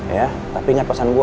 ya tapi ingat pesan gue